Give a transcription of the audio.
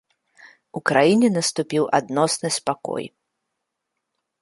У краіне наступіў адносны спакой.